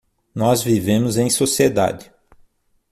Nós vivemos em sociedade.